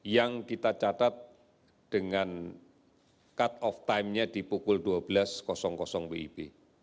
yang kita catat dengan cut off timenya di pukul dua belas wib